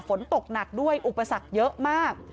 ฝนตกหนักด้วยอุปสรรคเยอะมาก